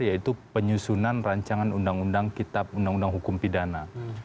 yaitu penyusunan rancangan undang undang kitab undang undang hukum pidana